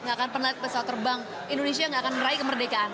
nggak akan pernah pesawat terbang indonesia nggak akan meraih kemerdekaan